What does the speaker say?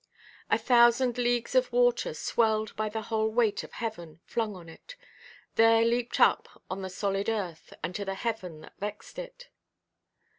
A thousand leagues of water, swelled by the whole weight of heaven flung on it, there leaped up on the solid earth, and to the heaven that vexed it.